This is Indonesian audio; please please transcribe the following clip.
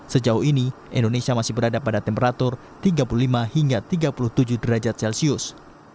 sejauh ini indonesia masih berada pada temperatur tiga puluh lima hingga tiga puluh tujuh derajat celcius